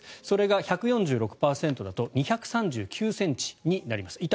それが１４６％だと２３９％になります。